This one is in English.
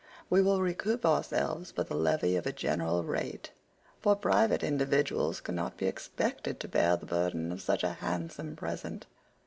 We will recoup ourselves by the levy of a general rate; for private individuals cannot be expected to bear the burden of such a handsome present."